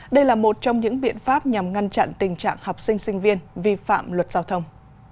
đây là một trong những biện pháp nhằm ngăn chặn tình trạng học sinh sinh viên vi phạm luật giao thông